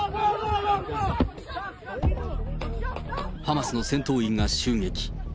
ハマスの戦闘員が襲撃。